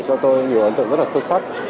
cho tôi nhiều ấn tượng rất là xuất sắc